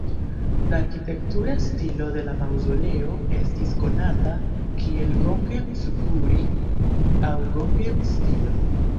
La arkitektura stilo de la maŭzoleo estis konata kiel "gongen-zukuri" aŭ "gongen"-stilo.